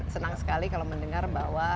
senang sekali kalau mendengar bahwa